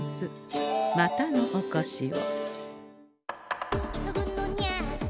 またのおこしを。